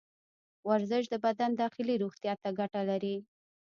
ورزش د بدن داخلي روغتیا ته ګټه لري.